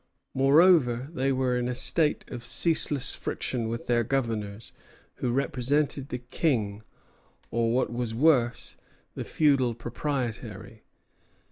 Moreover, they were in a state of ceaseless friction with their governors, who represented the king, or, what was worse, the feudal proprietary.